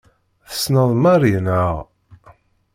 Tessneḍ Mary, naɣ?